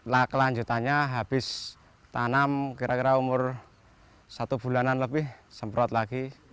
nah kelanjutannya habis tanam kira kira umur satu bulanan lebih semprot lagi